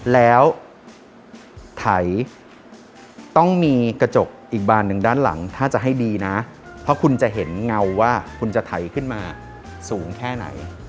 แล้วไถต้องมีกระจกอีกบานหนึ่งด้านหลังถ้าจะให้ดีนะเพราะคุณจะเห็นเงาว่าคุณจะไถขึ้นมาสูงแค่ไหน